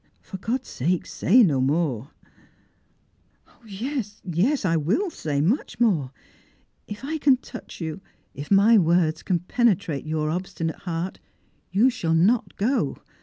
For God's sake, say no more !"" Yes, yes, I will say mucli more ; if I can touch you, if my words can penetrate your obstinate heart, jow shall not go.